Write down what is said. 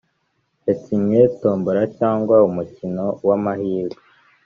yakinnye tombora cyangwa umukino w’mahirwe